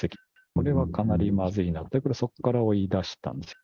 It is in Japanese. これはかなりまずいなと、そこから追いだしたんですね。